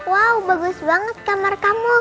wow bagus banget kamar kamu